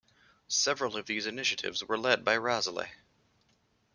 Several of these initiatives were led by Razaleigh.